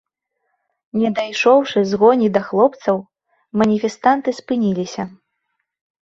Не дайшоўшы з гоні да хлопцаў, маніфестанты спыніліся.